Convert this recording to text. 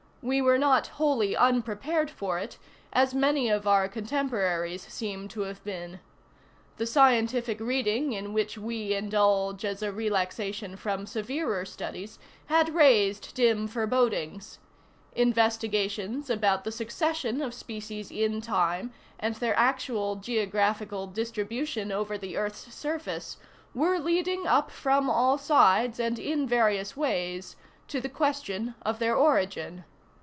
We were not wholly unprepared for it, as many of our contemporaries seem to have been. The scientific reading in which we indulge as a relaxation from severer studies had raised dim forebodings. Investigations about the succession of species in time, and their actual geographical distribution over the earth's surface, were leading up from all sides and in various ways to the question of their origin.